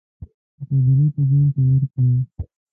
مقابلې ته ځان تیار کړو.